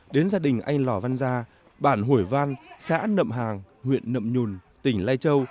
đến gia đình anh lỏ văn gia bản hổi văn xã nậm hàng huyện nậm nhùn tỉnh lai châu